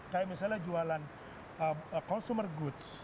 kayak misalnya jualan consumer goods